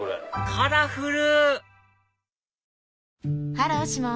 カラフル！